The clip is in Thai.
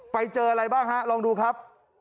ไปเจออะไรบ้างฮะลองดูครับ